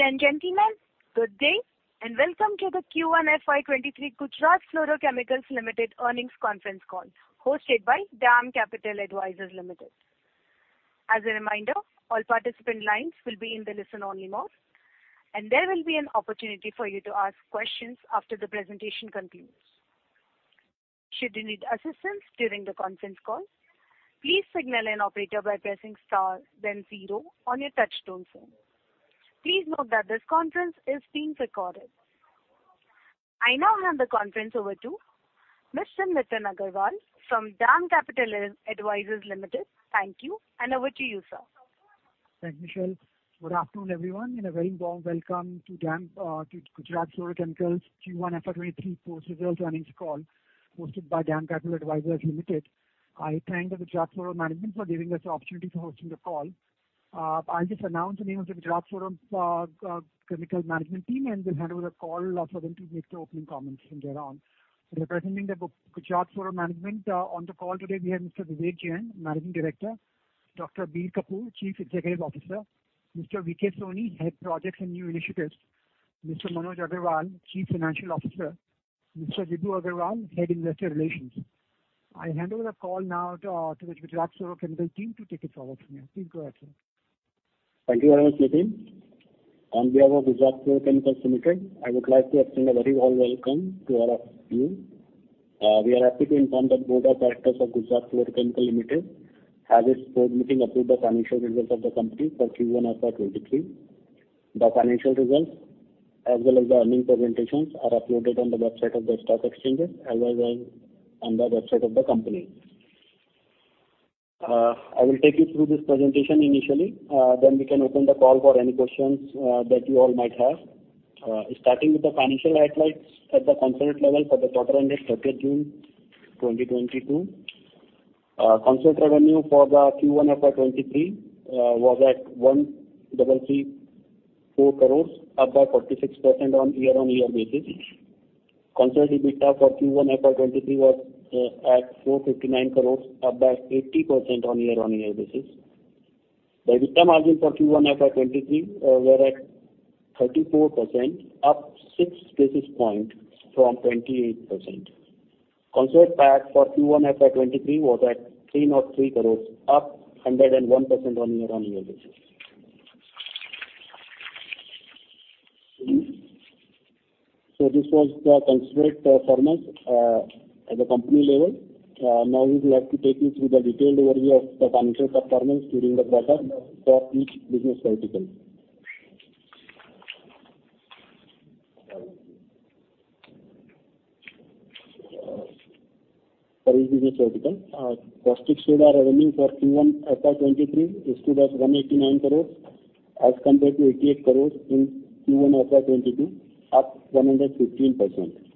Ladies and gentlemen, good day, and welcome to the Q1 FY23 Gujarat Fluorochemicals Limited earnings conference call, hosted by DAM Capital Advisors Limited. As a reminder, all participant lines will be in the listen-only mode, and there will be an opportunity for you to ask questions after the presentation concludes. Should you need assistance during the conference call, please signal an operator by pressing star then zero on your touch-tone phone. Please note that this conference is being recorded. I now hand the conference over to Mr. Nitin Agarwal from DAM Capital Advisors Limited. Thank you, and over to you, sir. Thanks, Michelle. Good afternoon, everyone, and a very warm welcome to DAM Capital Advisors Limited's Gujarat Fluorochemicals Q1 FY23 post-results earnings call, hosted by DAM Capital Advisors Limited. I thank the Gujarat Fluorochemicals management for giving us the opportunity for hosting the call. I'll just announce the names of the Gujarat Fluorochemicals management team, and then hand over the call for them to make their opening comments from there on. Representing the Gujarat Fluorochemicals management on the call today we have Mr. Vivek Jain, Managing Director, Dr. Bir Kapoor, Chief Executive Officer, Mr. Vijay Kumar Soni, Head Projects and New Initiatives, Mr. Manoj Agrawal, Chief Financial Officer, Mr. Vibhu Agarwal, Head Investor Relations. I hand over the call now to Gujarat Fluorochemicals team to take it forward from here. Please go ahead, sir. Thank you very much, Nitin. On behalf of Gujarat Fluorochemicals Limited, I would like to extend a very warm welcome to all of you. We are happy to inform that Board of Directors of Gujarat Fluorochemicals Limited has in its board meeting approved the financial results of the company for Q1 FY 23. The financial results, as well as the earnings presentations, are uploaded on the website of the stock exchanges, as well as on the website of the company. I will take you through this presentation initially, then we can open the call for any questions that you all might have. Starting with the financial highlights at the consolidated level for the quarter ended 30th June 2022. Consolidated revenue for the Q1 FY 23 was at 1,134 crores, up by 46% on year-on-year basis. Consolidated EBITDA for Q1 FY23 was at 459 crores, up 80% on year-over-year basis. The EBITDA margin for Q1 FY23 were at 34%, up 6 basis points from 28%. Consolidated PAT for Q1 FY23 was at 303 crores, up 101% on year-over-year basis. This was the consolidated performance at the company level. Now we would like to take you through the detailed overview of the financial performance during the quarter for each business vertical. For each business vertical, Caustic Soda revenue for Q1 FY 2023 stood at 189 crores as compared to 88 crores in Q1 FY 2022, up 115%.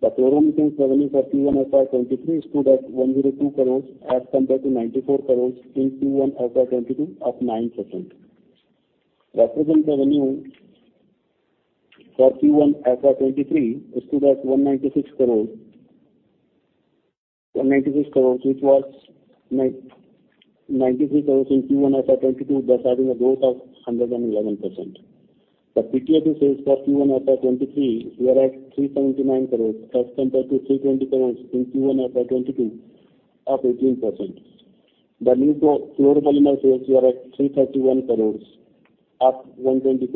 The fluorochemicals revenue for Q1 FY 2023 stood at INR 102 crores as compared to INR 94 crores in Q1 FY 2022, up 9%. Refrigerants revenue for Q1 FY 2023 stood at 196 crore, which was 93 crore in Q1 FY 2022, thus having a growth of 111%. The PTFE sales for Q1 FY23 were at 379 crore as compared to 320 crore in Q1 FY 2022, up 18%. The new fluoropolymer sales were at 331 crore, up 124%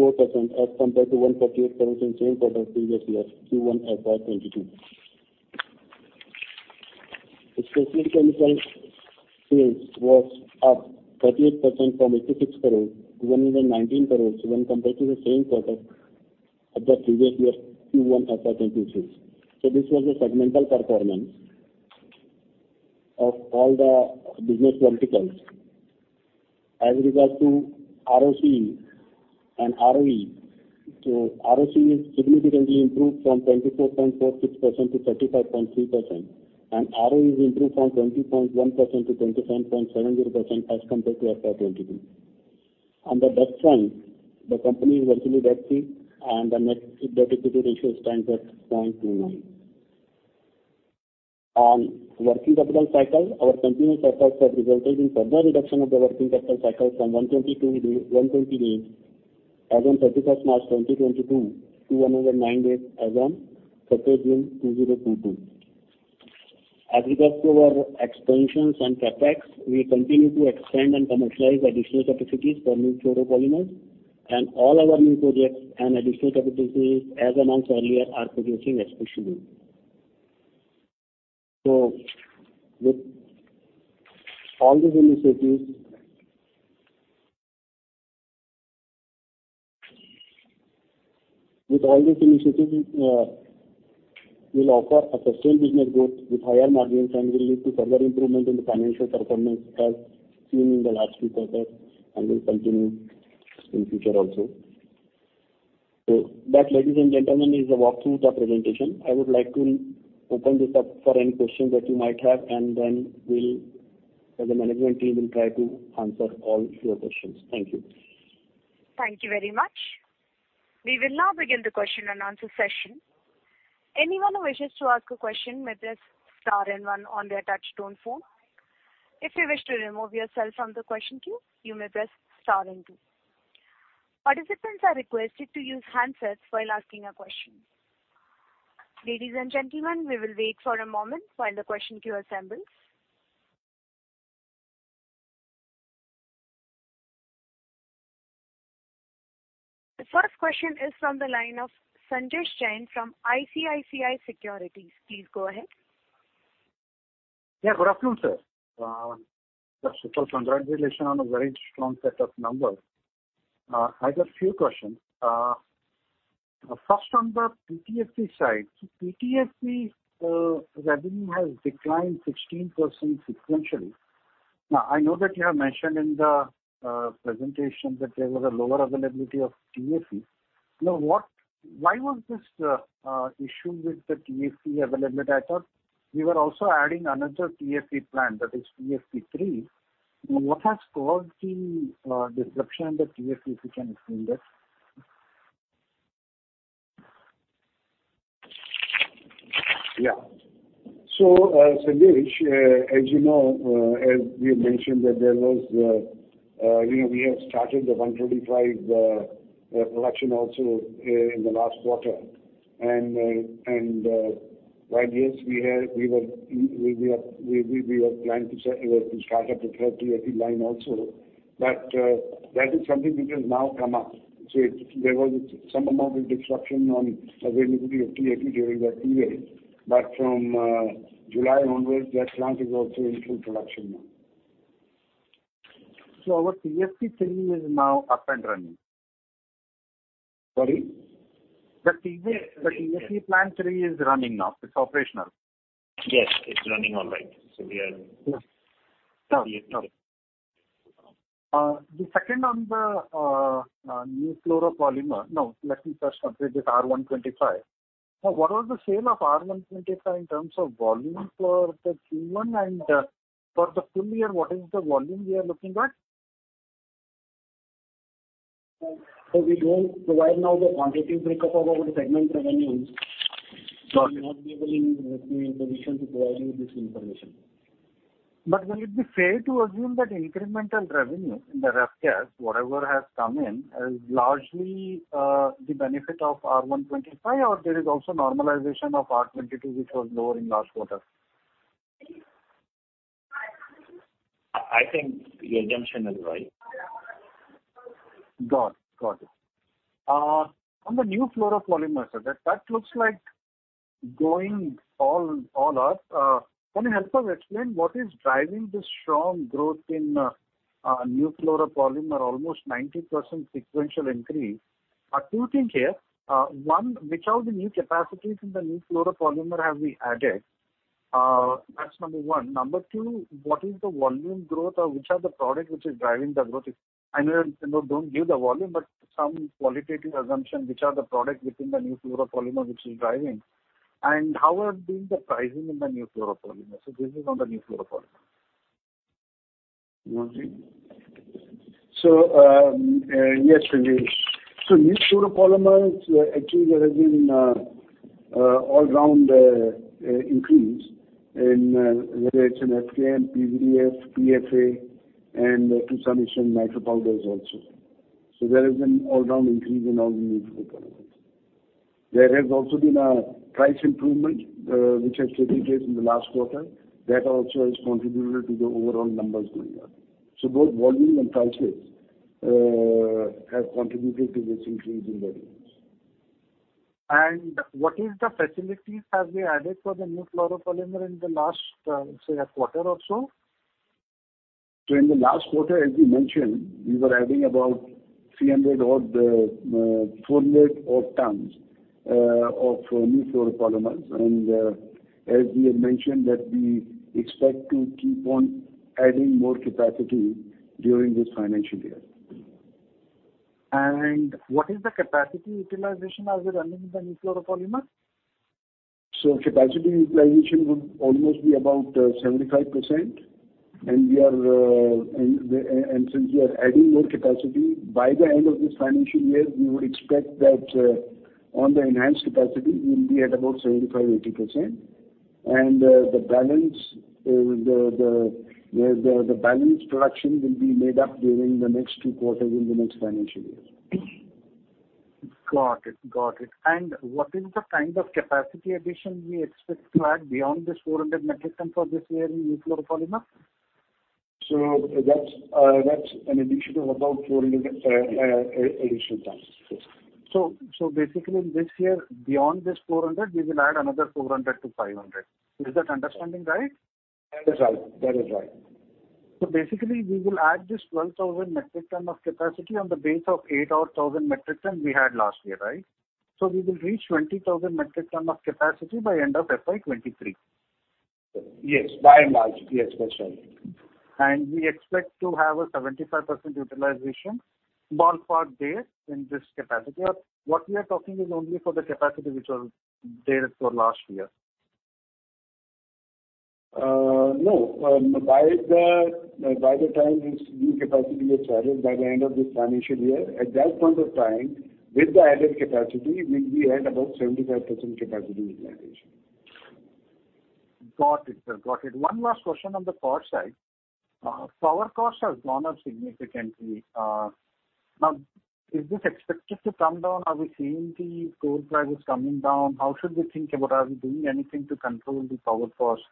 as compared to 148 crore in same quarter previous year, Q1 FY22. The specialty chemicals sales was up 38% from 86 crore to 119 crore when compared to the same quarter of the previous year, Q1 FY22. This was the segmental performance of all the business verticals. As regards to ROCE and ROE, so ROCE is significantly improved from 24.46% to 35.3%, and ROE is improved from 20.1% to 27.70% as compared to FY 2022. On the debt front, the company is virtually debt free and the net debt equity ratio stands at 0.29. On working capital cycle, our continuous efforts have resulted in further reduction of the working capital cycle from 120 days as on March 31, 2022 to 109 days as on June 30, 2022. As regards to our expansions and CapEx, we continue to expand and commercialize additional capacities for new fluoropolymers. All our new projects and additional capacities, as announced earlier, are producing as per schedule. With all these initiatives will offer a sustained business growth with higher margins and will lead to further improvement in the financial performance as seen in the last few quarters and will continue in future also. That, ladies and gentlemen, is the walkthrough of the presentation. I would like to open this up for any questions that you might have, and then we'll, as a management team, try to answer all your questions. Thank you. Thank you very much. We will now begin the question and answer session. Anyone who wishes to ask a question may press star and one on their touch tone phone. If you wish to remove yourself from the question queue, you may press star and two. Participants are requested to use handsets while asking a question. Ladies and gentlemen, we will wait for a moment while the question queue assembles. The first question is from the line of Sanjesh Jain from ICICI Securities. Please go ahead. Yeah. Good afternoon, sir. First of all, congratulations on a very strong set of numbers. I have just a few questions. First on the PTFE side. So PTFE, revenue has declined 16% sequentially. Now, I know that you have mentioned in the presentation that there was a lower availability of TFE. Now, why was this issue with the TFE availability? I thought you were also adding another TFE plant, that is TFE three. What has caused the disruption in the TFE, if you can explain that? Yeah. Sanjesh, as you know, as we had mentioned that there was, you know, we have started the R-125 production also in the last quarter. While yes, we were planning to start up the third TFE line also, but that is something which has now come up. There was some amount of disruption on availability of TFE during that period. From July onwards, that plant is also in full production now. Our TFE 3 is now up and running? Sorry? The TFE plant 3 is running now? It's operational? Yes, it's running all right. Yeah. TFE 3. No, let me first complete this R-125. Now, what was the sale of R-125 in terms of volume for the Q1? And for the full year, what is the volume we are looking at? We don't provide now the quantitative breakup of our segment revenues. Got it. We won't be able in a position to provide you this information. Will it be fair to assume that incremental revenue in the forecast, whatever has come in, is largely the benefit of R-125? Or there is also normalization of R-22, which was lower in last quarter? I think your assumption is right. Got it. On the new fluoropolymers, that looks like growing all out. Can you help us explain what is driving this strong growth in new fluoropolymers, almost 90% sequential increase? Two things here. One, which are the new capacities in the new fluoropolymers have we added? That's number one. Number two, what is the volume growth or which are the products which are driving the growth? I know you don't give the volume, but some qualitative assumption, which are the products within the new fluoropolymers which is driving? And how is being the pricing in the new fluoropolymers? This is on the new fluoropolymers. Yes, Sanjesh. New fluoropolymers, actually there has been an all-round increase in whether it's in FKM, PVDF, PFA and to some extent micropowders also. There has been all-round increase in all the new fluoropolymers. There has also been a price improvement, which has taken place in the last quarter. That also has contributed to the overall numbers going up. Both volume and price mix have contributed to this increase in volumes. What is the facilities have we added for the new fluoropolymer in the last, say, a quarter or so? In the last quarter, as we mentioned, we were adding about 300 odd, 400 odd tons of new fluoropolymers. As we had mentioned that we expect to keep on adding more capacity during this financial year. What is the capacity utilization as we run with the new fluoropolymer? Capacity utilization would almost be about 75%. Since we are adding more capacity, by the end of this financial year, we would expect that on the enhanced capacity we'll be at about 75-80%. The balance production will be made up during the next two quarters in the next financial year. Got it. What is the kind of capacity addition we expect to add beyond this 400 metric tons for this year in new fluoropolymer? That's an addition of about 400 additional tons. Yes. Basically this year, beyond this 400, we will add another 400-500. Is that understanding right? That is right. Basically we will add this 12,000 metric tons of capacity on the base of 8,000-odd metric tons we had last year, right? We will reach 20,000 metric tons of capacity by end of FY 2023. Yes. By and large, yes, that's right. We expect to have a 75% utilization ballpark there in this capacity. What we are talking is only for the capacity which was there for last year? No. By the time this new capacity gets added by the end of this financial year, at that point of time, with the added capacity, we'd be at about 75% capacity utilization. Got it, sir. Got it. One last question on the cost side. Power cost has gone up significantly. Now is this expected to come down? Are we seeing the coal prices coming down? How should we think about are we doing anything to control the power cost?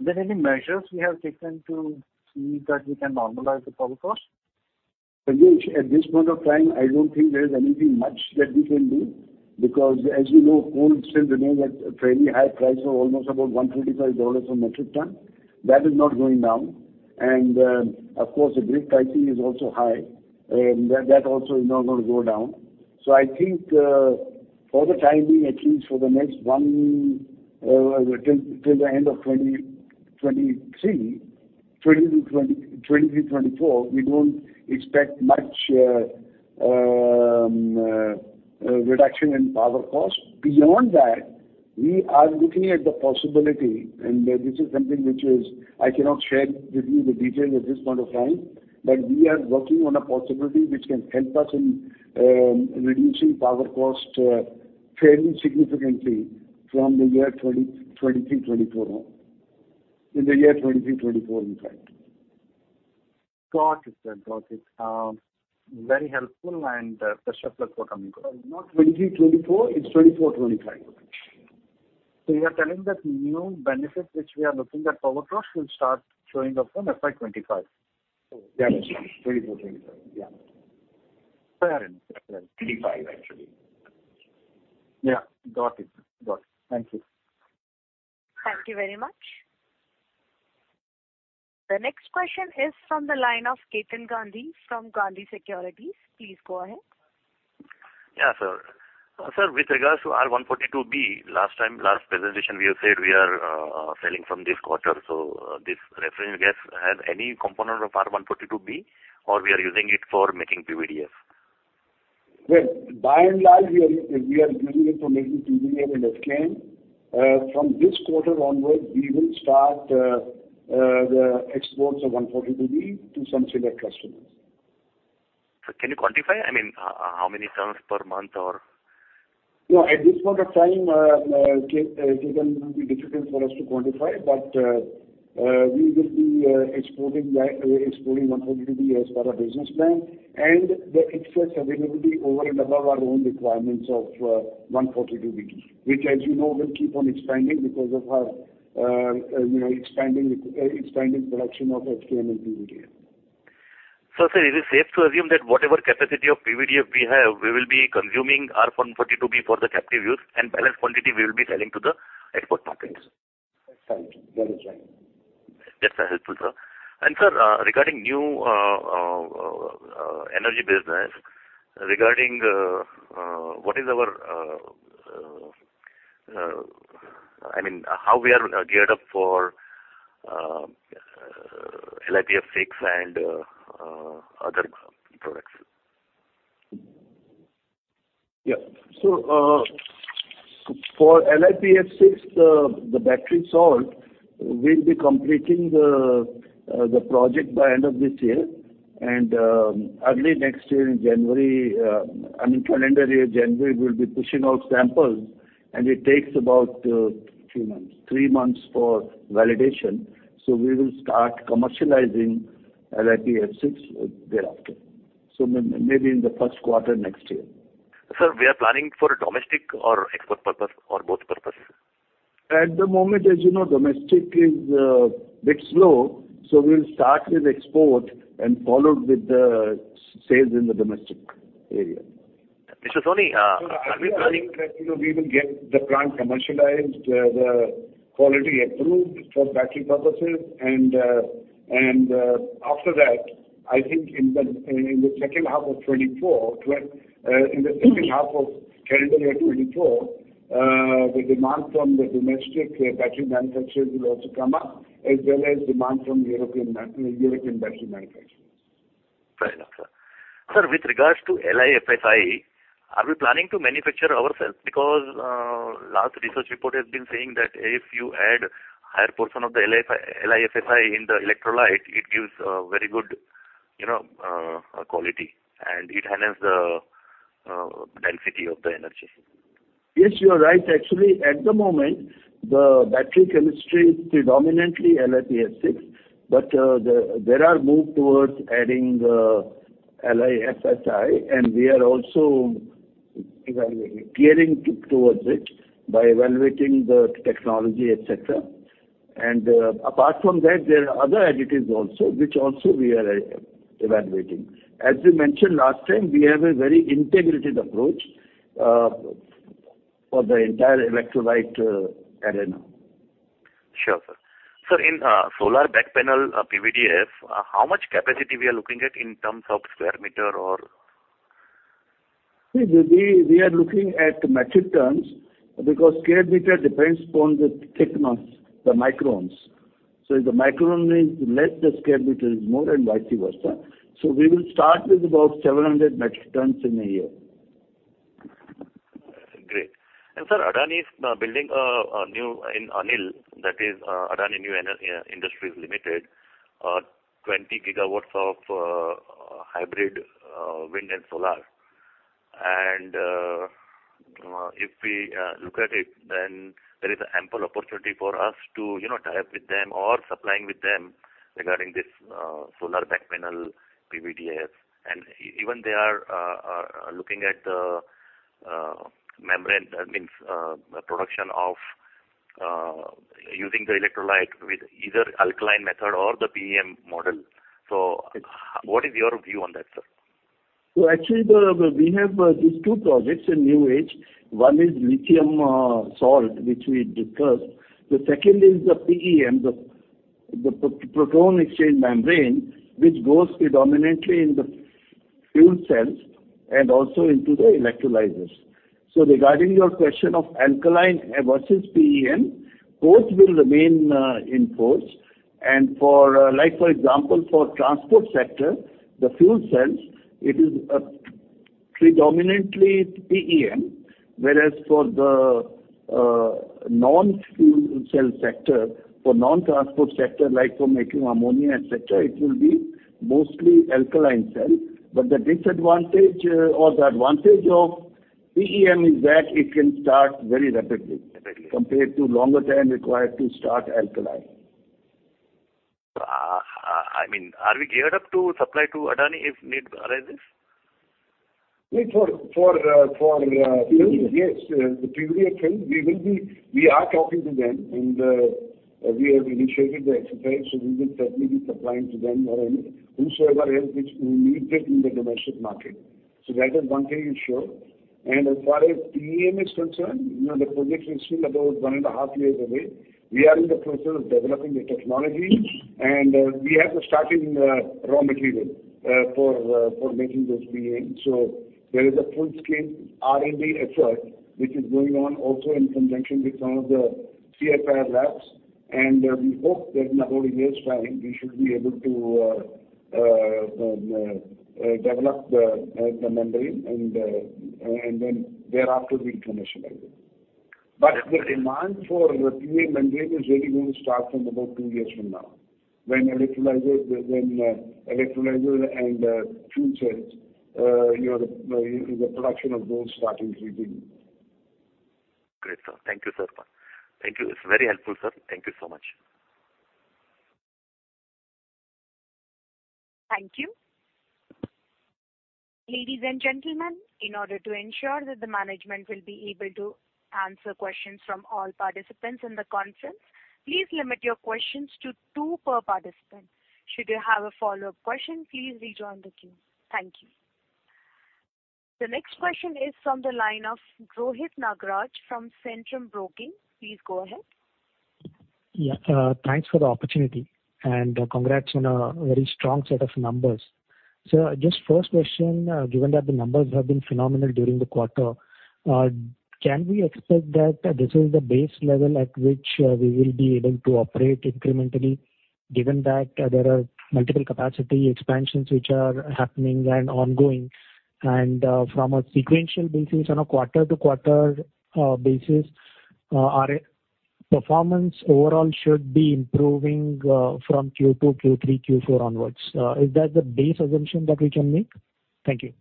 Are there any measures we have taken to see that we can normalize the power cost? Sanjesh, at this point of time, I don't think there is anything much that we can do because as you know, coal still remains at fairly high price of almost about $135 a metric ton. That is not going down. Of course, the freight pricing is also high. That also is not gonna go down. I think, for the time being, at least for the next one, till the end of 2023-2024, we don't expect much reduction in power cost. Beyond that, we are looking at the possibility, and this is something which is I cannot share with you the details at this point of time, but we are working on a possibility which can help us in, reducing power cost fairly significantly from the year 2023, 2024 on. In the year 2023, 2024 in fact. Got it, sir. Got it. Very helpful. Best of luck for coming quarter. Not 23, 24. It's 24, 25. You are telling that new benefit which we are looking at power cost will start showing up from FY 2025? Yeah. 2024, 2025. Yeah. Fair enough. 25, actually. Yeah. Got it. Thank you. Thank you very much. The next question is from the line of Ketan Gandhi from Gandhi Securities. Please go ahead. Yeah, sir. Sir, with regards to R-142b, last time, last presentation we have said we are selling from this quarter, this refrigerant gas has any component of R-142b, or we are using it for making PVDF? Well, by and large, we are using it for making PVDF and FKM. From this quarter onwards, we will start the exports of 142b to some select customers. Can you quantify? I mean, how many tons per month or? No, at this point of time, Ketan, it will be difficult for us to quantify, but, we will be exporting R-142b as per our business plan and the excess availability over and above our own requirements of R-142b, which as you know will keep on expanding because of our, you know, expanding production of FKM and then PVDF. Sir, is it safe to assume that whatever capacity of PVDF we have, we will be consuming R-142b for the captive use and balance quantity we will be selling to the export markets? That's right. That's helpful, sir. Sir, regarding new energy business, I mean, how we are geared up for LiPF6 and other products? For LiPF6, the battery salt, we'll be completing the project by end of this year. Early next year in January, I mean, calendar year, January, we'll be pushing out samples, and it takes about Three months. Three months for validation. We will start commercializing LiPF6 thereafter. Maybe in the first quarter next year. Sir, we are planning for domestic or export purpose or both purposes? At the moment, as you know, domestic is a bit slow, so we'll start with export and followed with the sales in the domestic area. This is only. I think that, you know, we will get the plant commercialized, the quality approved for battery purposes and after that, I think in the second half of 2024, in the second half of calendar year 2024, the demand from the domestic battery manufacturers will also come up, as well as demand from European battery manufacturers. Fair enough, sir. Sir, with regards to LiFSI, are we planning to manufacture ourselves? Because, last research report has been saying that if you add higher portion of the LiFSI in the electrolyte, it gives very good, you know, quality, and it enhance the density of the energy. Yes, you are right. Actually, at the moment, the battery chemistry is predominantly LiPF6, but there are moves towards adding LiFSI, and we are also evaluating gearing towards it by evaluating the technology, et cetera. Apart from that, there are other additives also, which we are evaluating. As we mentioned last time, we have a very integrated approach for the entire electrolyte arena. Sure, sir. Sir, in solar backsheet PVDF, how much capacity we are looking at in terms of square meter or? See, we are looking at metric tons because square meter depends upon the thickness, the microns. If the micron is less, the square meter is more and vice versa. We will start with about 700 metric tons in a year. Sir, Adani is building ANIL, that is, Adani New Industries Limited, 20 gigawatts of hybrid wind and solar. If we look at it, then there is ample opportunity for us to, you know, tie up with them or supply to them regarding this solar back-sheet PVDF. Even they are looking at the membrane, that means the production using the electrolyte with either alkaline method or the PEM method. What is your view on that, sir? Actually, we have these two projects in New Age. One is lithium salt, which we discussed. The second is the PEM, the proton exchange membrane, which goes predominantly in the fuel cells and also into the electrolyzers. Regarding your question of alkaline versus PEM, both will remain in force. For example, for transport sector, the fuel cells, it is predominantly PEM. Whereas for the non-fuel cell sector, for non-transport sector, like for making ammonia, et cetera, it will be mostly alkaline cell. The disadvantage or the advantage of PEM is that it can start very rapidly compared to longer time required to start alkaline. I mean, are we geared up to supply to Adani if need arises? For, for, uh, for, uh- PEM. Yes, the previous thing, we are talking to them and, we have initiated the exercise, so we will certainly be supplying to them or any whosoever else which will need it in the domestic market. That is one thing is sure. As far as PEM is concerned, you know, the project is still about 1.5 years away. We are in the process of developing the technology, and, we have to start in, raw material, for making those PEM. There is a full scale R&D effort which is going on also in conjunction with some of the CSIR labs. We hope that in about a year's time we should be able to develop the membrane and then thereafter we'll commercialize it. The demand for the PEM membrane is really going to start from about two years from now when electrolyzer and the fuel cells, you know, the production of those start increasing. Great, sir. Thank you, sir. Thank you. It's very helpful, sir. Thank you so much. Thank you. Ladies and gentlemen, in order to ensure that the management will be able to answer questions from all participants in the conference, please limit your questions to two per participant. Should you have a follow-up question, please rejoin the queue. Thank you. The next question is from the line of Rohit Nagraj from Centrum Broking. Please go ahead. Yeah. Thanks for the opportunity and congrats on a very strong set of numbers. Just first question, given that the numbers have been phenomenal during the quarter, can we expect that this is the base level at which we will be able to operate incrementally, given that there are multiple capacity expansions which are happening and ongoing? From a sequential basis on a quarter to quarter basis, our performance overall should be improving from Q2, Q3, Q4 onwards. Is that the base assumption that we can make? Thank you.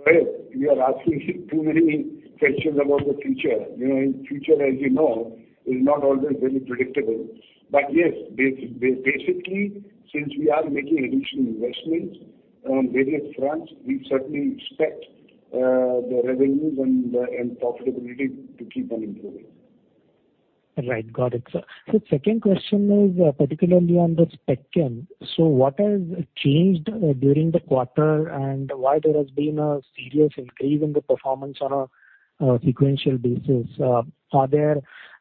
Rohit, you are asking too many questions about the future. You know, in future, as you know, is not always very predictable. Yes, basically, since we are making additional investments on various fronts, we certainly expect the revenues and profitability to keep on improving. Right. Got it, sir. Second question is particularly under Specialty Chemicals. What has changed during the quarter and why there has been a serious increase in the performance on a sequential basis? Are there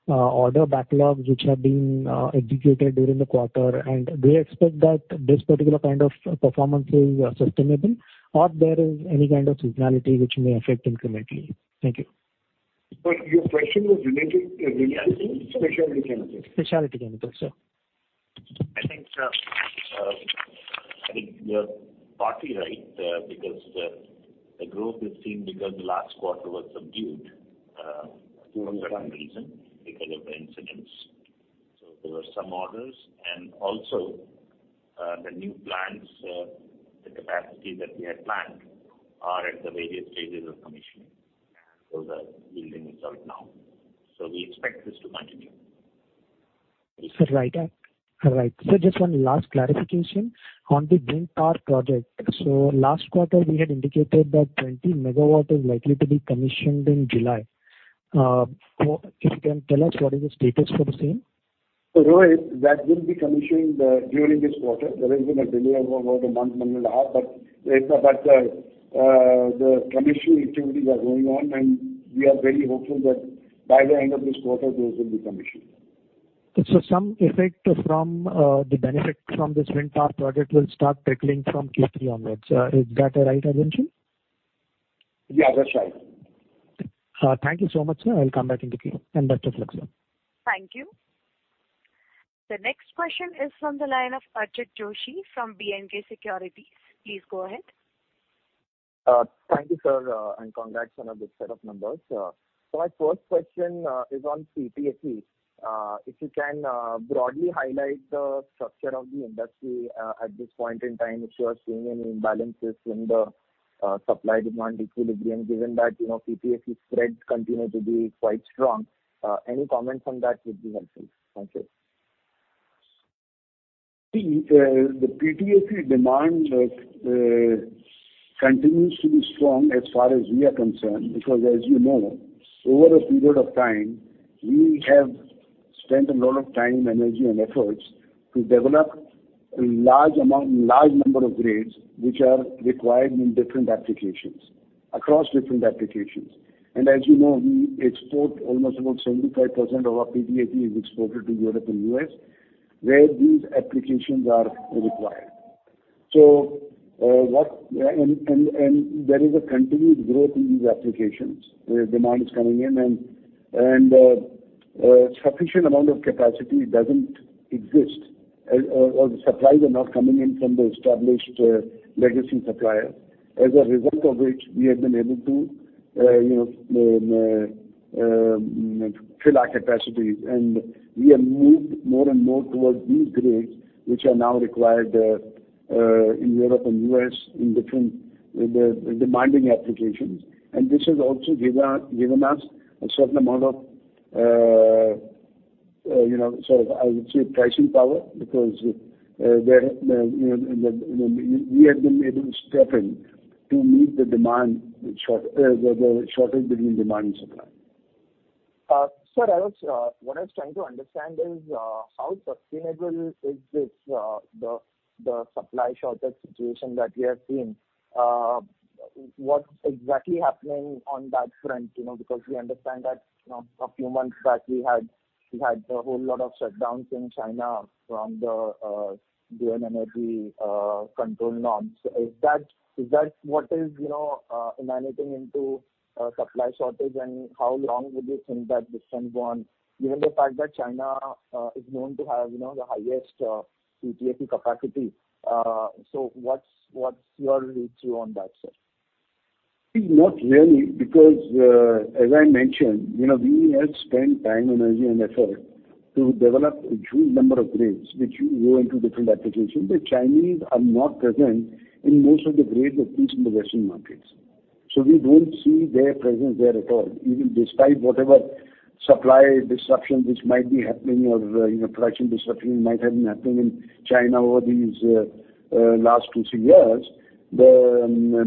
order backlogs which have been executed during the quarter? Do you expect that this particular kind of performance will be sustainable or there is any kind of seasonality which may affect incrementally? Thank you. Sir, your question was related to Specialty Chemicals? Specialty Chemicals, sir. I think you're partly right, because the growth is seen because the last quarter was subdued, for one reason, because of the incidents. There were some orders. The new plants, the capacity that we had planned are at the various stages of commissioning. The yielding result now. We expect this to continue. Right. Sir, just one last clarification on the wind power project. Last quarter, we had indicated that 20 megawatts is likely to be commissioned in July. If you can tell us what is the status for the same? Rohit, that will be commissioned during this quarter. There has been a delay of about a month and a half. The commissioning activities are going on, and we are very hopeful that by the end of this quarter, those will be commissioned. Some effect from the benefit from this wind power project will start trickling from Q3 onwards. Is that a right assumption? Yeah, that's right. Thank you so much, sir. I will come back in the queue. Best of luck, sir. Thank you. The next question is from the line of Ajit Joshi from B&K Securities. Please go ahead. Thank you, sir, and congrats on a good set of numbers. My first question is on PTFE. If you can broadly highlight the structure of the industry at this point in time, if you are seeing any imbalances in the supply-demand equilibrium, given that, you know, PTFE spreads continue to be quite strong. Any comment on that would be helpful. Thank you. See, the PTFE demand continues to be strong as far as we are concerned. Because as you know, over a period of time, we have spent a lot of time, energy, and efforts to develop a large number of grades which are required in different applications, across different applications. as you know, we export almost about 75% of our PTFE is exported to Europe and U.S., where these applications are required. there is a continued growth in these applications, where demand is coming in and, sufficient amount of capacity doesn't exist. or the supplies are not coming in from the established, legacy supplier. As a result of which we have been able to, you know, fill our capacity. We have moved more and more towards these grades, which are now required in Europe and U.S. in different demanding applications. This has also given us a certain amount of, you know, sort of, I would say pricing power. Because there you know we have been able to step in to meet the demand shortage between demand and supply. Sir, what I was trying to understand is how sustainable is this supply shortage situation that we have seen. What's exactly happening on that front? You know, because we understand that, you know, a few months back we had a whole lot of shutdowns in China from the energy control norms. Is that what is, you know, emanating into supply shortage? And how long would you think that this can go on? Given the fact that China is known to have, you know, the highest PTFE capacity. So what's your read through on that, sir? Not really, because as I mentioned, you know, we have spent time, energy, and effort to develop a huge number of grades which go into different applications. The Chinese are not present in most of the grades, at least in the Western markets. We don't see their presence there at all. Even despite whatever supply disruptions which might be happening or, you know, production disruptions might have been happening in China over these last two, three years. Even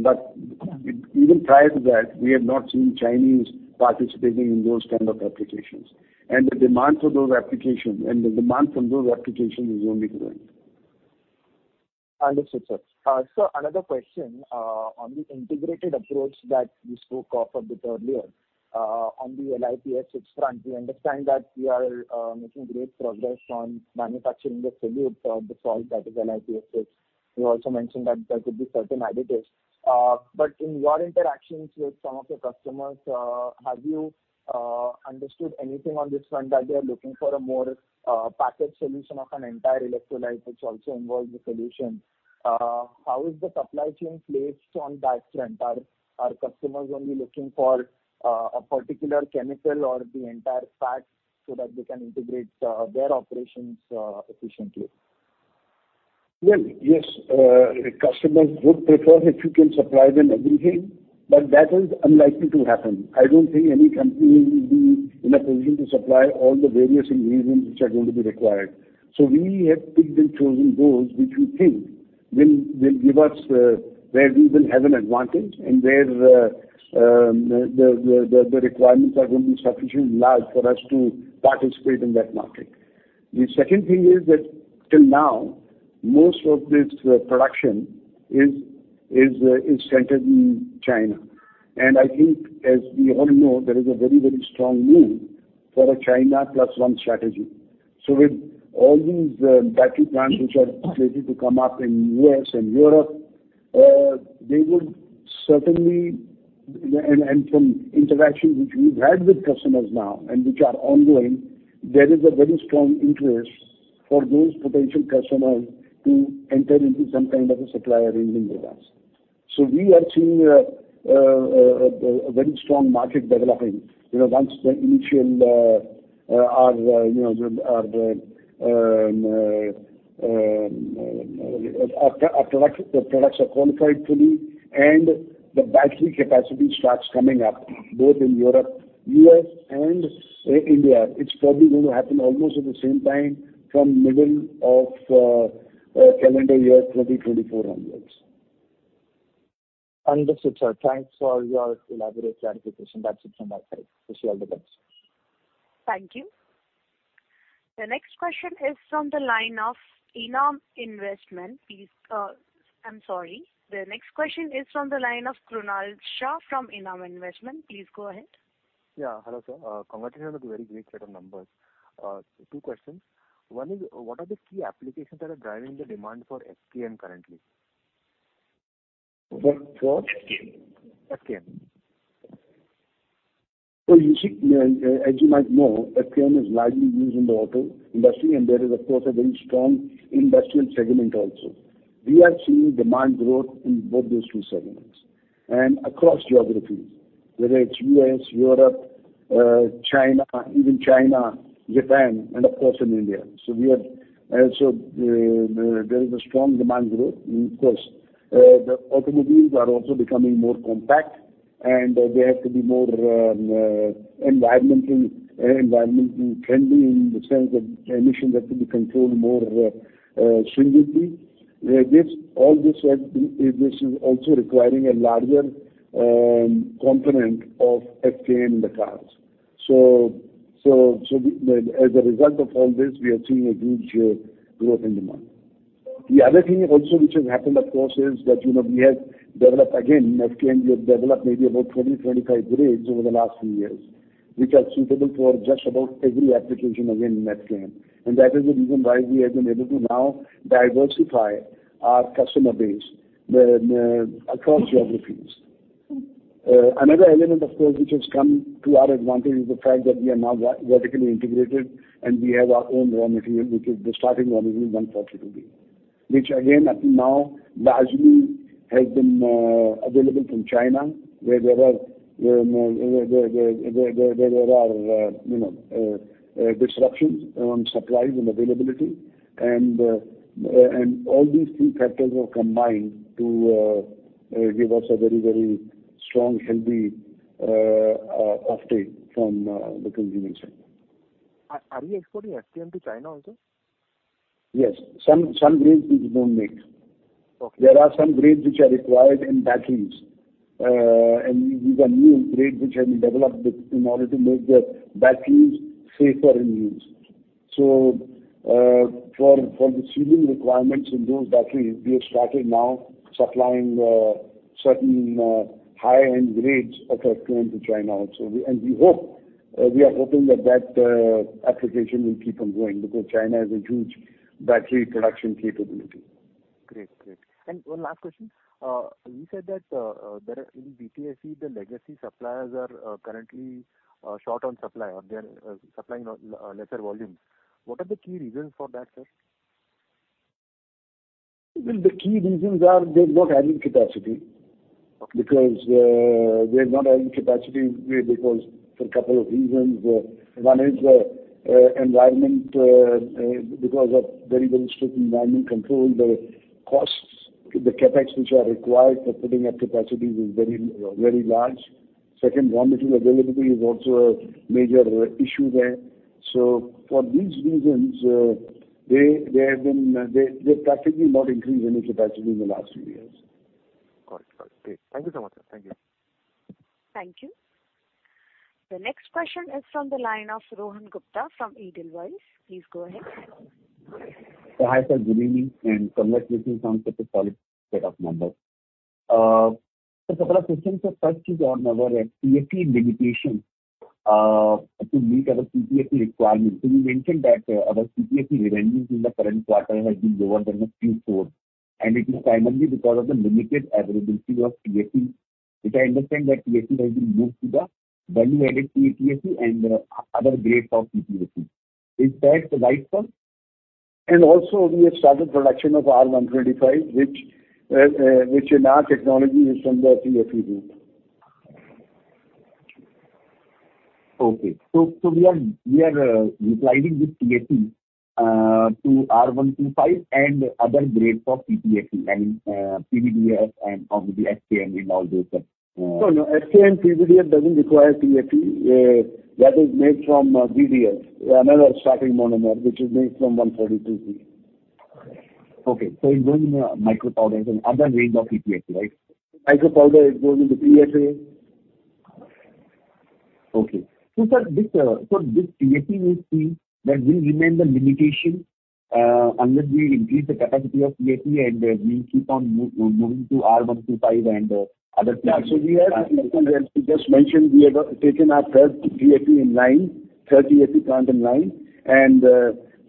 prior to that, we have not seen Chinese participating in those kind of applications. The demand from those applications is only growing. Understood, sir. Sir, another question on the integrated approach that you spoke of a bit earlier on the LiPF6 front. We understand that you are making great progress on manufacturing the solute of the salt that is LiPF6. You also mentioned that there could be certain additives. In your interactions with some of your customers, have you understood anything on this front that they are looking for a more packaged solution of an entire electrolyte which also involves the solution? How is the supply chain placed on that front? Are customers only looking for a particular chemical or the entire package so that they can integrate their operations efficiently? Well, yes, customers would prefer if you can supply them everything, but that is unlikely to happen. I don't think any company will be in a position to supply all the various ingredients which are going to be required. We have picked and chosen those which we think will give us where we will have an advantage, and where the requirements are going to be sufficiently large for us to participate in that market. The second thing is that till now, most of this production is centered in China. I think as we all know, there is a very, very strong move for a China plus one strategy. With all these battery plants which are slated to come up in U.S. and Europe, they would certainly. From interaction which we've had with customers now and which are ongoing, there is a very strong interest for those potential customers to enter into some kind of a supply arrangement with us. We are seeing a very strong market developing. You know, once our products are qualified fully and the battery capacity starts coming up both in Europe, U.S. and India. It's probably going to happen almost at the same time from middle of calendar year 2024 onwards. Understood, sir. Thanks for your elaborate clarification. That's it from our side. Wish you all the best. Thank you. The next question is from the line of Krunal Shah from Enam Investment. Please go ahead. Yeah, hello sir. Congratulations on the very great set of numbers. Two questions. One is, what are the key applications that are driving the demand for FKM currently? For? FKM. You see, as you might know, FKM is largely used in the auto industry, and there is of course a very strong industrial segment also. We are seeing demand growth in both those two segments and across geographies, whether it's U.S., Europe, China, even China, Japan and of course in India. There is a strong demand growth. Of course, the automobiles are also becoming more compact and they have to be more environmental friendly in the sense that emissions have to be controlled more stringently. This is also requiring a larger component of FKM in the cars. As a result of all this, we are seeing a huge growth in demand. The other thing also which has happened of course, is that, you know, we have developed FKM, maybe about 20-25 grades over the last few years, which are suitable for just about every application again in FKM. That is the reason why we have been able to now diversify our customer base across geographies. Another element, of course, which has come to our advantage is the fact that we are now vertically integrated, and we have our own raw material, which is the starting raw material R-142b, which again, I think now largely has been available from China, where there are, you know, disruptions on supplies and availability, and all these three factors have combined to give us a very strong, healthy offtake from the consumer segment. Are you exporting FKM to China also? Yes. Some grades we don't make. Okay. There are some grades which are required in batteries, and these are new grades which have been developed in order to make the batteries safer in use. For the sealing requirements in those batteries, we have started now supplying certain high-end grades of FKM to China also. We hope we are hoping that application will keep on going because China has a huge battery production capability. Great. One last question. You said that in PTFE, the legacy suppliers are currently short on supply or they're supplying on lesser volumes. What are the key reasons for that, sir? Well, the key reasons are they're not adding capacity. Okay. They're not adding capacity because for a couple of reasons. One is environmental because of very, very strict environmental control, the costs, the CapEx which are required for putting up capacities is very, very large. Second, raw material availability is also a major issue there. For these reasons, they've practically not increased any capacity in the last few years. Got it. Great. Thank you so much, sir. Thank you. Thank you. The next question is from the line of Rohan Gupta from Edelweiss. Please go ahead. Hi, sir. Good evening, and congratulations on such a solid set of numbers. Sir, couple of questions, sir. First is on our TFE limitation to meet our PTFE requirement. You mentioned that our PTFE revenues in the current quarter has been lower than the Q4, and it is primarily because of the limited availability of TFE, which I understand that TFE has been moved to the value-added PTFE and other grades of PTFE. Is that right, sir? Also we have started production of R125, which in our technology is from the PTFE route. Okay. We are replacing this TFE to R-125 and other grades of PTFE, I mean, PVDF and obviously FKM and all those. No, no. FKM, PVDF doesn't require TFE. That is made from VDF, another starting monomer, which is made from R-142b. Okay. It goes in the micropowders and other range of PTFE, right? Micropowder is going into PFA. Okay. Sir, so this TFE we've seen that will remain the limitation unless we increase the capacity of TFE and we keep on moving to R125 and other grades. We have, as I just mentioned, we have taken our third TFE in line, third TFE plant in line.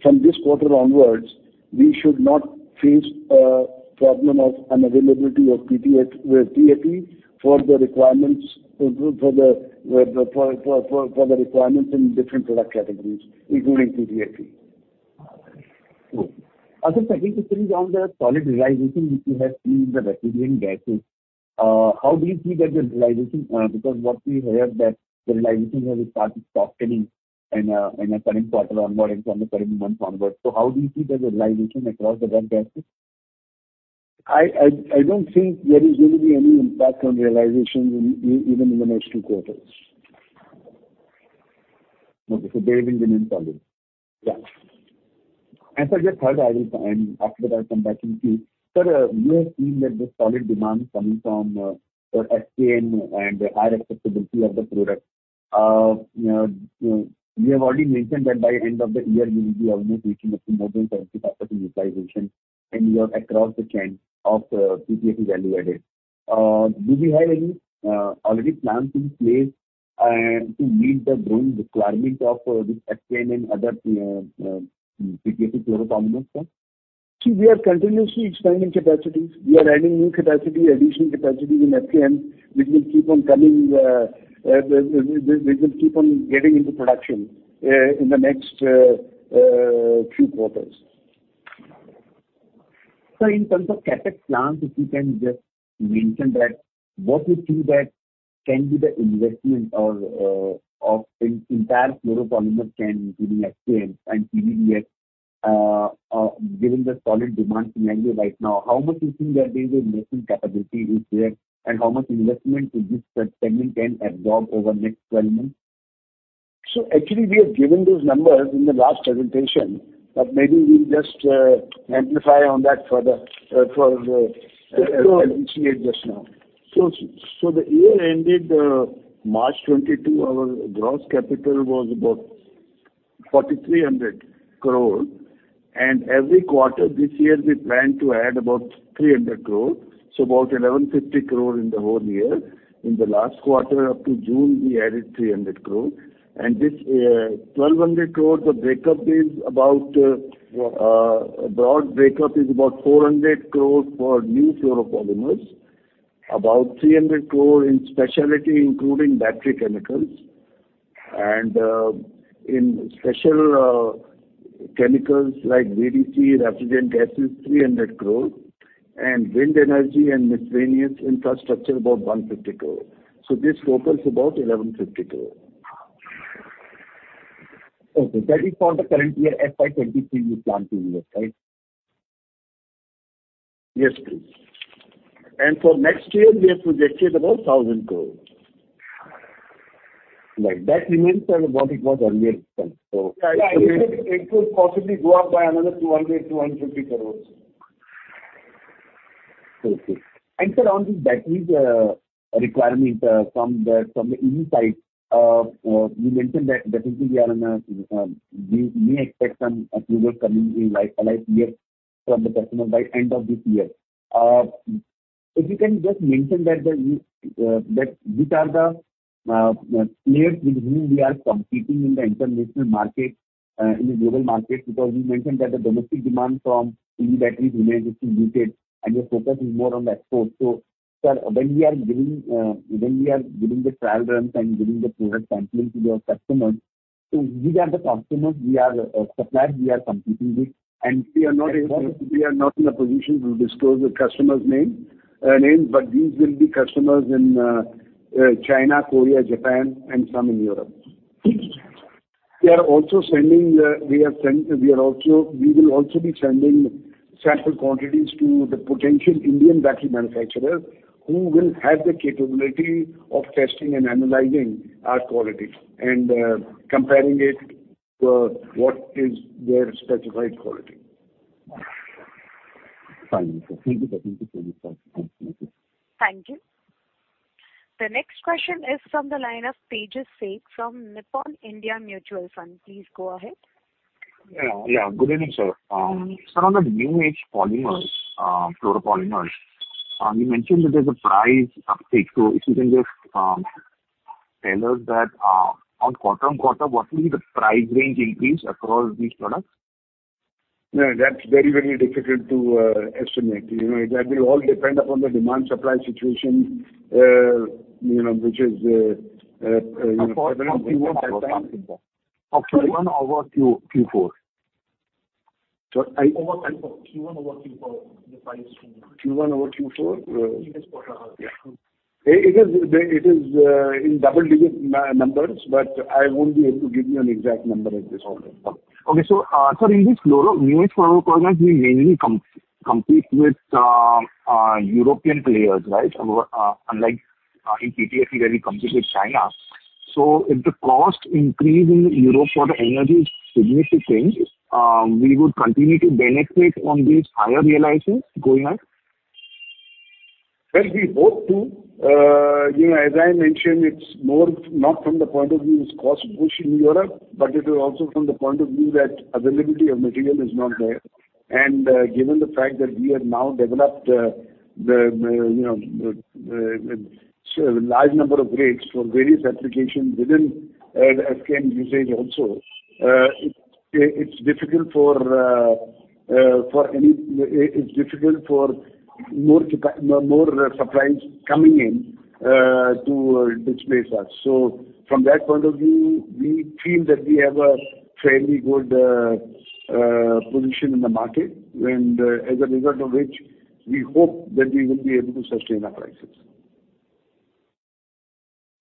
From this quarter onwards, we should not face a problem of unavailability of TFE for the requirements in different product categories, including PTFE. Okay. Good. Sir, second question is on the solid realization which we have seen in the refrigerant gases. How do you see that the realization? Because what we hear that the realization has started softening in current quarter onwards or in the current month onwards. How do you see the realization across the gas business? I don't think there is going to be any impact on realization even in the next two quarters. Okay. They will remain solid? Yeah. Sir, just the third, and after that I'll come back to you. Sir, you have seen that the solid demand coming from FKM and the high acceptability of the product. You know, you have already mentioned that by end of the year you will be almost reaching up to more than 70% utilization and you are across the trend of PTFE value added. Do you have any already plans in place to meet the growing requirement of this FKM and other PTFE copolymers, sir? See, we are continuously expanding capacities. We are adding new capacity, additional capacity in FKM, which will keep on getting into production in the next few quarters. Sir, in terms of CapEx plans, if you can just mention what you feel that can be the investment in entire fluoropolymers chain, including FKM and PVDF, given the solid demand scenario right now. How much you think that the investment capability is there, and how much investment do you think that segment can absorb over the next 12 months? Actually, we have given those numbers in the last presentation, but maybe we'll just amplify on that for the. Yes, sure. CapEx just now. The year ended March 2022, our gross CapEx was about 4,300 crore. Every quarter this year we plan to add about 300 crore, about 1,150 crore in the whole year. In the last quarter up to June, we added 300 crore. This twelve hundred crores, the breakup is about a broad breakup is about 400 crore for new fluoropolymers, about 300 crore in specialty, including battery chemicals, and in special chemicals like VDF, refrigerant gases, 300 crore, and wind energy and miscellaneous infrastructure, about 150 crore. This totals about 1,150 crore. Okay. That is for the current year, FY 2023 you're planning this, right? Yes, please. For next year, we have projected about 1,000 crore. Like that remains kind of what it was earlier, sir. Yeah, it could possibly go up by another 200 crore-250 crore. Sir, on the batteries requirement from the EV side, you mentioned that definitely we expect some approval coming in from the customer by end of this year. If you can just mention which are the players with whom we are competing in the international market, in the global market, because we mentioned that the domestic demand from EV batteries remains still muted, and your focus is more on export. Sir, when we are giving the trial runs and giving the product sampling to your customers, which are the suppliers we are competing with? We are not in a position to disclose the customers' names, but these will be customers in China, Korea, Japan, and some in Europe. We will also be sending sample quantities to the potential Indian battery manufacturers who will have the capability of testing and analyzing our quality and comparing it to what is their specified quality. Fine. Thank you. Thank you for this, sir. Okay. Thank you. The next question is from the line of Tejas Sheth from Nippon India Mutual Fund. Please go ahead. Yeah, yeah. Good evening, sir. Mm-hmm. Sir, on the new-age polymers, fluoropolymers, you mentioned that there's a price uptick. If you can just tell us that on quarter-on-quarter, what will be the price range increase across these products? No, that's very, very difficult to estimate. You know, that will all depend upon the demand supply situation, you know, which is, you know. Of course. Q1 over Q4. Sorry? Q1 over Q4. Sorry. Over Q4. Q1 over Q4, the price change. Q1 over Q4? Yes. Quarter-over-quarter. Yeah. It is in double-digit numbers, but I won't be able to give you an exact number at this point in time. Sir, in this new-age fluoropolymers, we mainly compete with European players, right? Unlike in PTFE where we compete with China. If the cost increase in Europe for the energy is significant, we would continue to benefit on these higher realizations going ahead? Well, we hope to. You know, as I mentioned, it's more not from the point of view it's cost push in Europe, but it is also from the point of view that availability of material is not there. Given the fact that we have now developed the you know the large number of grades for various applications within FKM usage also, it's difficult for more suppliers coming in to displace us. From that point of view, we feel that we have a fairly good position in the market. As a result of which we hope that we will be able to sustain our prices.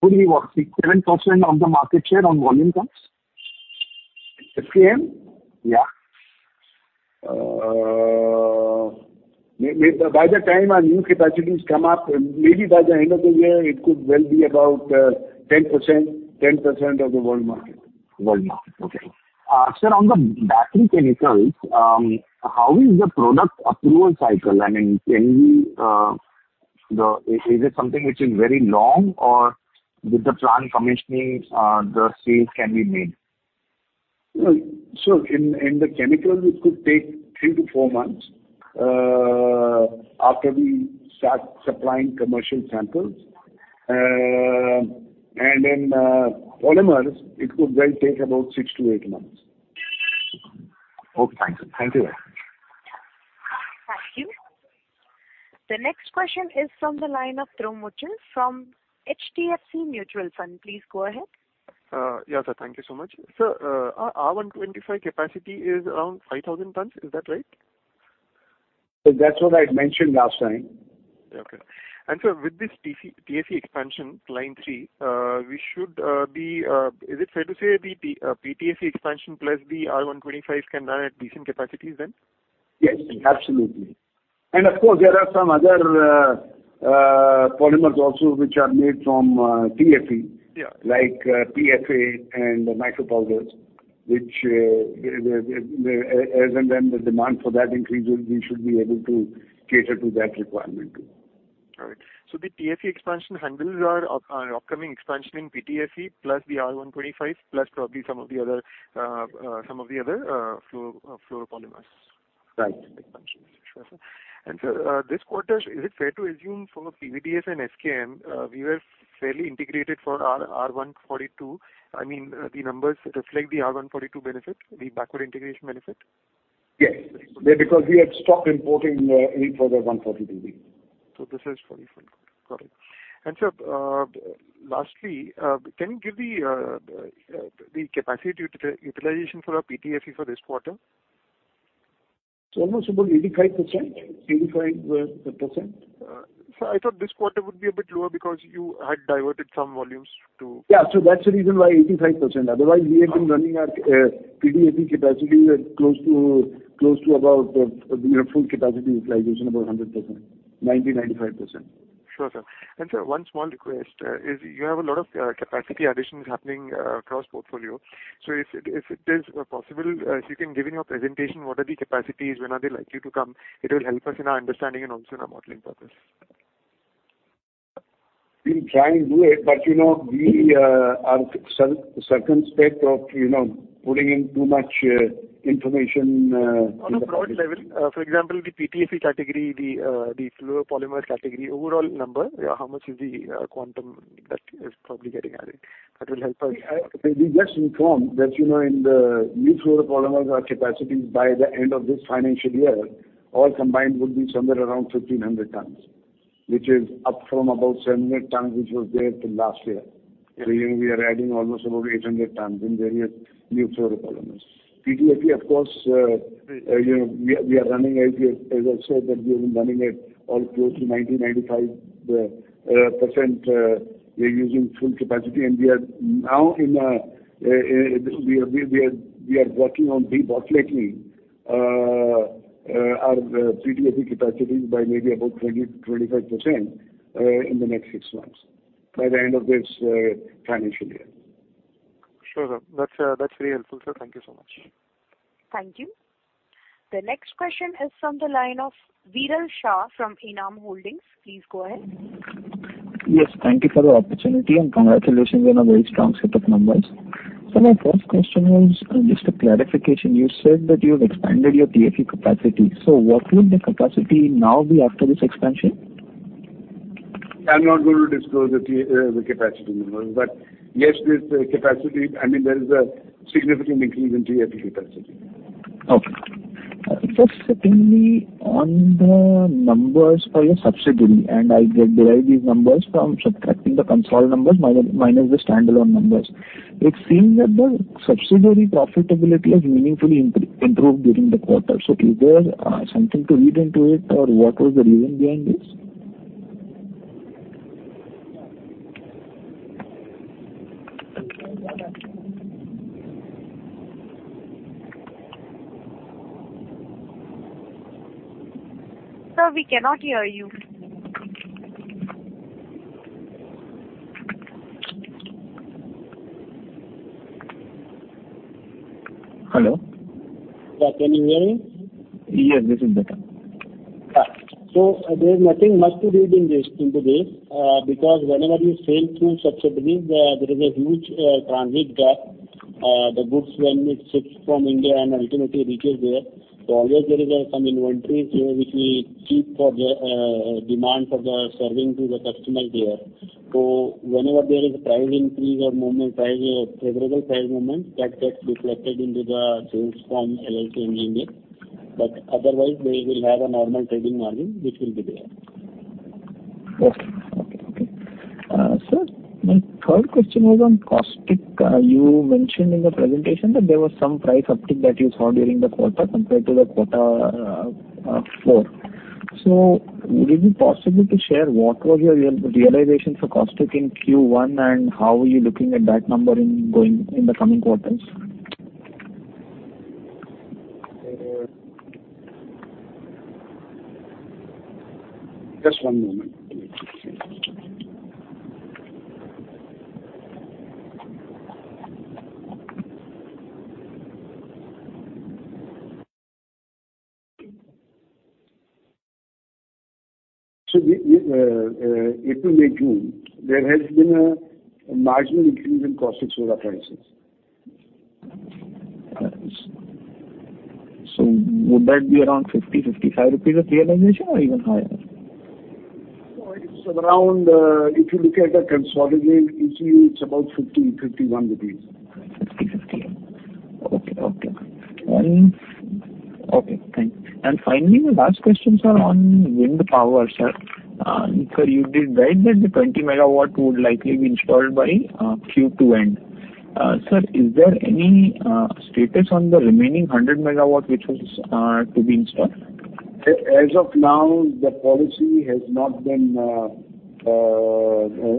What do we want? 7% of the market share on volume terms? FKM? Yeah. By the time our new capacities come up, maybe by the end of the year, it could well be about 10% of the world market. World market. Okay. Sir, on the battery chemicals, how is the product approval cycle? I mean, is it something which is very long, or with the plant commissioning, the sales can be made? In the chemicals it could take three-four months after we start supplying commercial samples. Polymers, it could well take about six-eight months. Okay. Thank you. Thank you very much. Thank you. The next question is from the line of Tarun Mukerji from HDFC Mutual Fund. Please go ahead. Yeah. Sir, thank you so much. Sir, our R125 capacity is around 5,000 tons. Is that right? That's what I mentioned last time. Okay. With this TFE expansion line three, we should be. Is it fair to say the PTFE expansion plus the R125 can run at decent capacities then? Yes, absolutely. Of course, there are some other polymers also which are made from TFE. Yeah. Like PFA and micropowders, which, as and when the demand for that increases, we should be able to cater to that requirement too. All right. The TFE expansion handles our upcoming expansion in PTFE plus the R125, plus probably some of the other fluoropolymers. Right. Expansion. Sure, sir. Sir, this quarter, is it fair to assume from a PVDF and FKM, we were fairly integrated for our R142? I mean, the numbers reflect the R142 benefit, the backward integration benefit. Yes. Because we had stopped importing any further 140 PB. This is 44. Got it. Sir, lastly, can you give the capacity utilization for our PTFE for this quarter? It's almost about 85%. Sir, I thought this quarter would be a bit lower because you had diverted some volumes to. Yeah. That's the reason why 85%. Otherwise, we have been running our PTFE capacity at close to about, you know, full capacity utilization, about 100%. 90%-95%. Sure, sir. Sir, one small request is you have a lot of capacity additions happening across portfolio. If it is possible, if you can give in your presentation what are the capacities? When are they likely to come? It will help us in our understanding and also in our modeling purpose. We'll try and do it, but you know, we are suspect of, you know, putting in too much information. On a broad level. For example, the PTFE category, the fluoropolymer category overall number, how much is the quantum that is probably getting added? That will help us. We just informed that, you know, in the new fluoropolymer, our capacities by the end of this financial year, all combined would be somewhere around 1,500 tons. Which is up from about 700 tons, which was there till last year. You know, we are adding almost about 800 tons in various new fluoropolymers. PTFE, of course, you know, we are running as I said, that we have been running at or close to 90%-95%, we're using full capacity. We are working on debottlenecking our PTFE capacity by maybe about 20%-25% in the next six months, by the end of this financial year. Sure, sir. That's very helpful, sir. Thank you so much. Thank you. The next question is from the line of Viral Shah from Enam Holdings. Please go ahead. Yes, thank you for the opportunity and congratulations on a very strong set of numbers. My first question was, just a clarification. You said that you've expanded your TFE capacity. What would the capacity now be after this expansion? I'm not going to disclose the TFE capacity numbers. Yes, there's a capacity. I mean, there is a significant increase in TFE capacity. Okay. Just secondly, on the numbers for your subsidiary, and I derived these numbers from subtracting the consolidated numbers minus the standalone numbers. It seems that the subsidiary profitability has meaningfully improved during the quarter. Is there something to read into it or what was the reason behind this? Sir, we cannot hear you. Hello? Yeah. Can you hear me? Yes, this is better. There's nothing much to read into this. Because whenever you sell through subsidiaries, there is a huge transit gap. The goods when it ships from India and ultimately reaches there. Always there is some inventories which we keep for the demand for serving to the customer there. Whenever there is a price increase or market price or favorable price movement, that gets reflected into the sales from GFL in India. Otherwise we will have a normal trading margin which will be there. Sir, my third question was on caustic. You mentioned in the presentation that there was some price uptick that you saw during the quarter compared to the quarter four. Would it be possible to share what was your realization for caustic in Q1 and how are you looking at that number in going in the coming quarters? Just one moment. April, May, June, there has been a marginal increase in caustic raw prices. Would that be around 50-55 rupees of realization or even higher? It's around, if you look at the consolidated EC, it's about 50-51 rupees. 50. Okay. Okay, thanks. Finally, the last question, sir, on wind power, sir. Sir, you did write that the 20 MW would likely be installed by Q2 end. Sir, is there any status on the remaining 100 MW which was to be installed? As of now, the policy has not been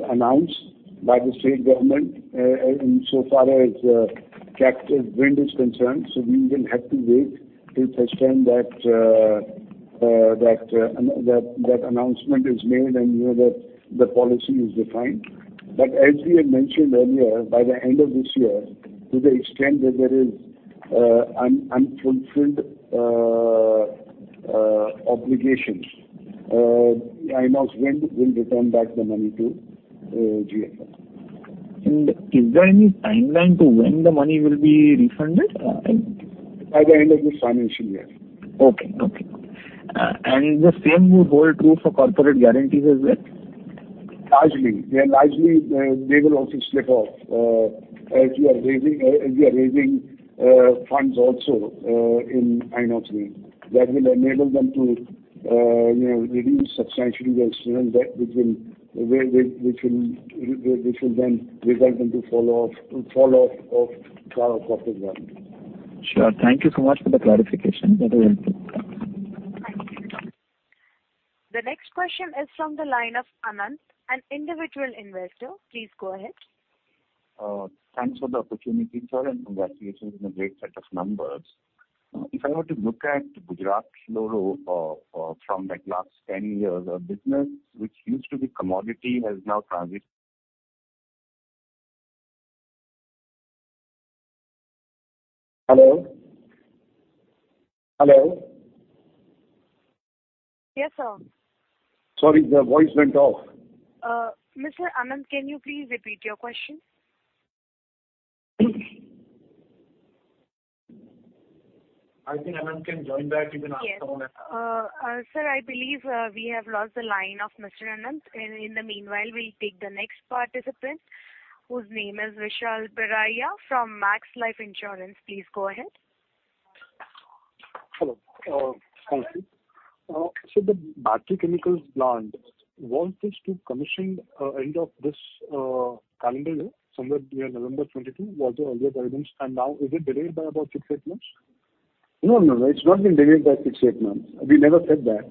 announced by the state government insofar as captive wind is concerned, so we will have to wait till such time that announcement is made and, you know, the policy is defined. As we had mentioned earlier, by the end of this year, to the extent that there is unfulfilled obligations, Inox Wind will return back the money to GFL. Is there any timeline to when the money will be refunded, in? By the end of this financial year. Okay. The same would hold true for corporate guarantees as well? Largely, they will also slip off. As we are raising funds also in Inox Wind, that will enable them to, you know, reduce substantially their standalone debt, which will then result them to fall off of our corporate guarantee. Sure. Thank you so much for the clarification. That was helpful. The next question is from the line of Anant, an individual investor. Please go ahead. Thanks for the opportunity, sir, and congratulations on a great set of numbers. If I were to look at Gujarat Fluorochemicals, like last 10 years of business, which used to be commodity has now transitioned. Hello? Hello? Yes, sir. Sorry, the voice went off. Mr. Anant, can you please repeat your question? I think Anant can join back. You can ask him again. Yes, sir, I believe we have lost the line of Mr. Anant. In the meanwhile, we'll take the next participant, whose name is Vishal Biraia from Max Life Insurance. Please go ahead. Hello. Thank you. The battery chemicals plant was supposed to commission end of this calendar year, somewhere near November 2022, was the earlier guidance. Now is it delayed by about six-eight months? No, no. It's not been delayed by six-eight months. We never said that.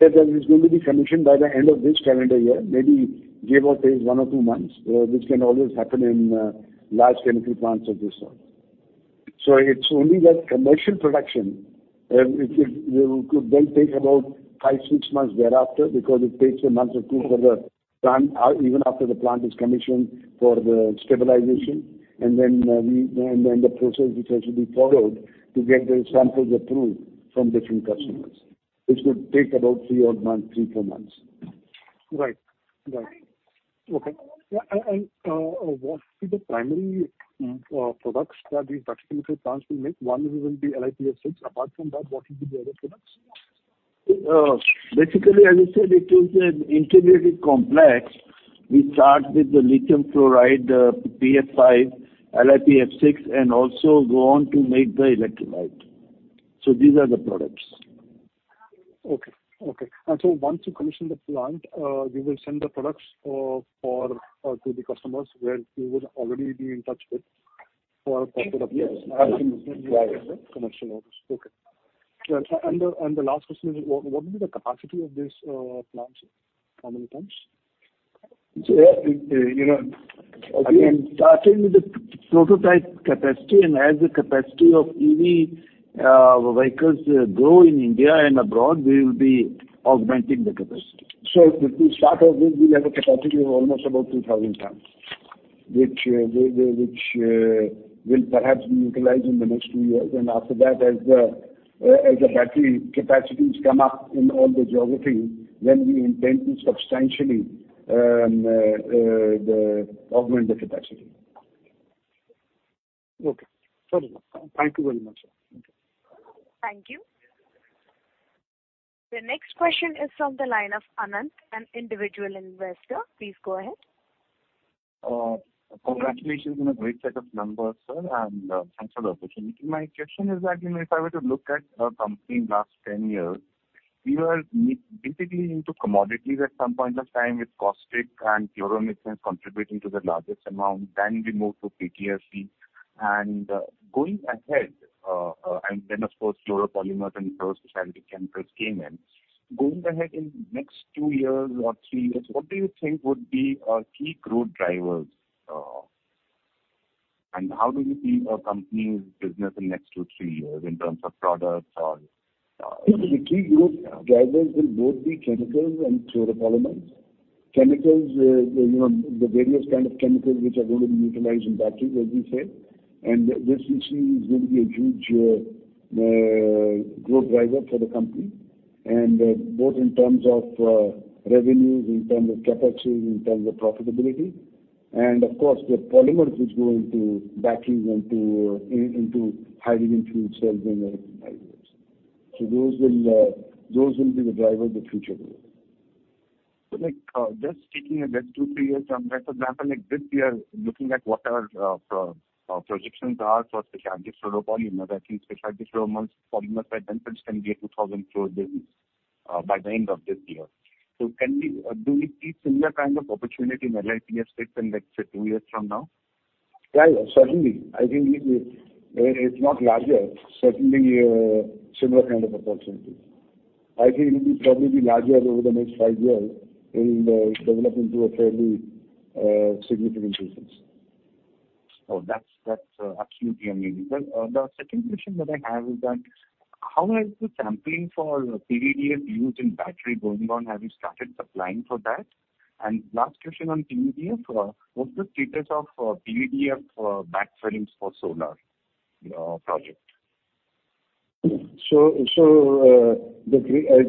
That plant is going to be commissioned by the end of this calendar year, maybe give or take one or two months. This can always happen in large chemical plants of this sort. It's only that commercial production will then take about five-six months thereafter because it takes a month or two for the plant even after the plant is commissioned for the stabilization. The process which has to be followed to get the samples approved from different customers would take about three or four months. Right. Okay. What are the primary products that these battery chemical plants will make? One will be LiPF6. Apart from that, what will be the other products? Basically, as I said, it is an integrated complex. We start with the lithium fluoride, PF5, LiPF6, and also go on to make the electrolyte. These are the products. Once you commission the plant, you will send the products to the customers where you would already be in touch with for a couple of years. Yes. Right. commercial orders. Okay. The last question is, what will be the capacity of this plant, sir? How many tons? You know, again, starting with the prototype capacity, and as the capacity of EV vehicles grow in India and abroad, we will be augmenting the capacity. To start with, we'll have a capacity of almost about 2,000 tons, which will perhaps be utilized in the next two years. After that, as the battery capacities come up in all the geography, we intend to substantially augment the capacity. Okay. Fair enough. Thank you very much, sir. Thank you. The next question is from the line of Anant, an individual investor. Please go ahead. Congratulations on a great set of numbers, sir, and thanks for the opportunity. My question is that, you know, if I were to look at our company in last 10 years, we were basically into commodities at some point of time with caustic and fluorochemicals contributing to the largest amount, then we moved to PTFE. Going ahead, and then of course, fluoropolymers and fluoro specialty chemicals came in. Going ahead in next two years or three years, what do you think would be our key growth drivers? And how do you see our company's business in next two, three years in terms of products or- The key growth drivers will both be chemicals and fluoropolymers. Chemicals, you know, the various kind of chemicals which are going to be utilized in batteries as we said, and this, you see, is going to be a huge growth driver for the company, and both in terms of revenues, in terms of capacity, in terms of profitability, and of course, the polymers which go into batteries and into hydrogen fuel cells and other hybrids. Those will be the drivers of future growth. Like, just taking a look two-three years from, like, for example, like this year, looking at what our projections are for specialty fluoropolymers. I think specialty fluoropolymers by FY25 can be a 2,000 crore business by the end of this year. Do we see similar kind of opportunity in LFP space in, let's say, two years from now? Yeah, certainly. I think it's not larger, certainly a similar kind of opportunity. I think it will probably be larger over the next five years. It will develop into a fairly significant business. Oh, that's absolutely amazing. Well, the second question that I have is that how has the sampling for PVDF used in battery going on? Have you started supplying for that? Last question on PVDF, what's the status of PVDF back films for solar project? As we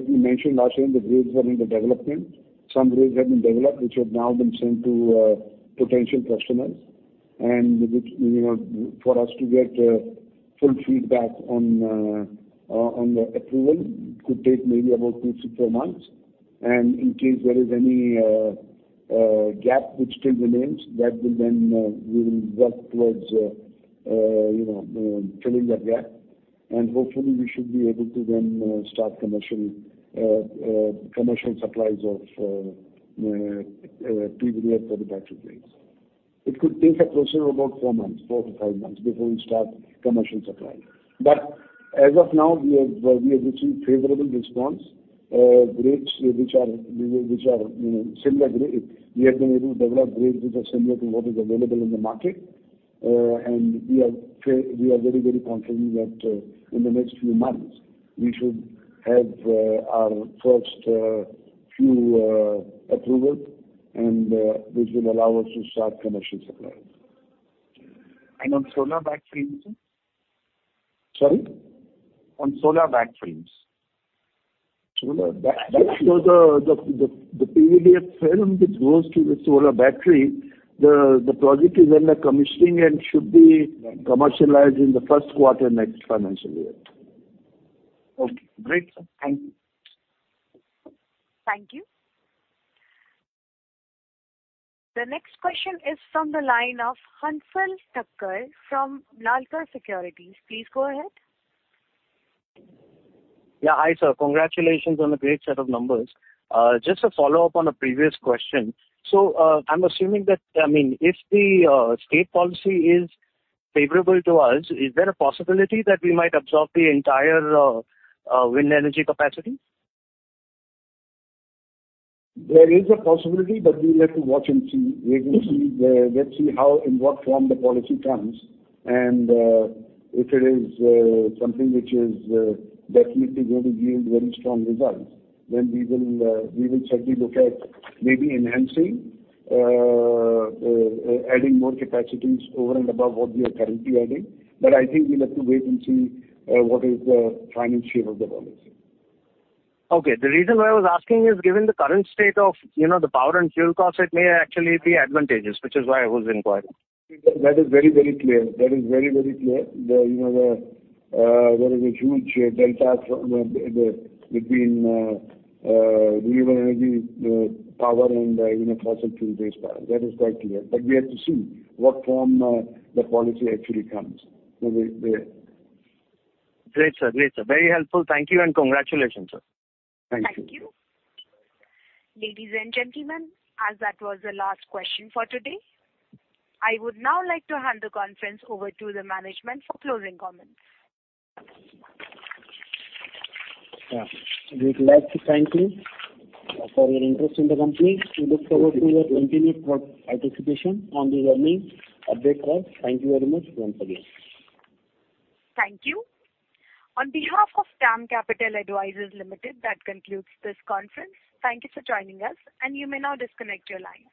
mentioned last year, the grades are in the development. Some grades have been developed, which have now been sent to potential customers. Which, you know, for us to get full feedback on the approval, could take maybe about two-four months. In case there is any gap which still remains, that will then we will work towards you know filling that gap. Hopefully we should be able to then start commercial supplies of PVDF for the battery grades. It could take a total of about four months, four-five months before we start commercial supply. As of now, we have received favorable response grades which are you know similar grade. We have been able to develop grades which are similar to what is available in the market. We are very, very confident that in the next few months we should have our first few approval and which will allow us to start commercial supplies. On solar back films, sir? Sorry? On solar back films. Solar back films. The PVDF film which goes to the solar battery, the project is under commissioning and should be commercialized in the first quarter next financial year. Okay, great. Thank you. Thank you. The next question is from the line of Hansal Thakkar from Lalkar Securities. Please go ahead. Yeah, hi, sir. Congratulations on the great set of numbers. Just a follow-up on a previous question. I'm assuming that, I mean, if the state policy is favorable to us, is there a possibility that we might absorb the entire wind energy capacity? There is a possibility, but we'll have to watch and see. Wait and see. Let's see how and what form the policy comes. If it is something which is definitely going to yield very strong results, then we will certainly look at maybe enhancing, adding more capacities over and above what we are currently adding. I think we'll have to wait and see what is the final shape of the policy. Okay. The reason why I was asking is given the current state of, you know, the power and fuel cost, it may actually be advantageous, which is why I was inquiring. That is very, very clear. You know, there is a huge delta between renewable energy power and you know fossil fuel-based power. That is quite clear. We have to see what form the policy actually comes. Great, sir. Very helpful. Thank you and congratulations, sir. Thank you. Thank you. Ladies and gentlemen, as that was the last question for today, I would now like to hand the conference over to the management for closing comments. Yeah. We would like to thank you for your interest in the company. We look forward to your continued participation on these earnings update calls. Thank you very much once again. Thank you. On behalf of DAM Capital Advisors Limited, that concludes this conference. Thank you for joining us, and you may now disconnect your lines.